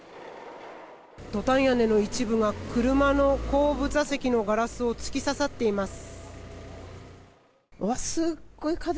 トタン屋根の一部が車の後部座席のガラスに突き刺さっています。